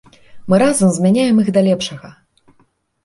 Мы разам змяняем іх да лепшага!